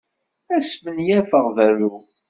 Ad smenyifeɣ berru.